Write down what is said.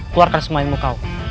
keluarkan semua ilmu kau